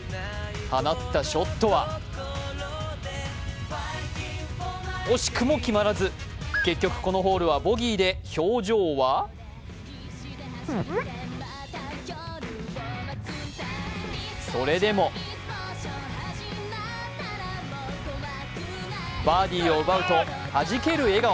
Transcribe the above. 放ったショットは惜しくも決まらず結局、このホールで、表情はそれでもバーディーを奪うとはじける笑顔。